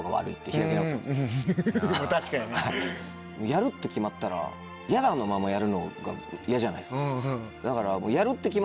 やるって決まったら「嫌だ」のままやるのが嫌じゃないですか。